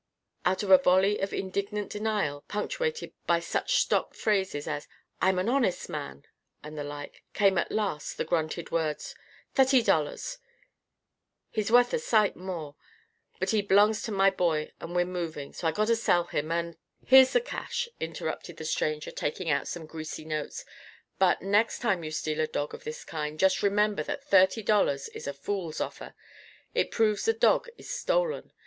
Out of a volley of indignant denial, punctuated by such stock phrases as, "I'm an honest man!" and the like, came at last the grunted words: "Thutty dollars. He's wuth a sight more. But he b'longs to my boy, and we're movin', so I gotta sell him, an " "Here's the cash," interrupted the stranger, taking out some greasy notes. "But, next time you steal a dog of this kind, just remember that thirty dollars is a fool's offer. It proves the dog is stolen.